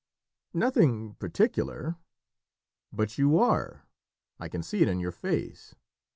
"Nothing particular." "But you are. I can see it in your face.